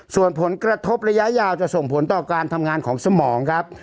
ส่วนผลกระทบระยะยาวจะส่งผลต่อการทำงานของสมองครับ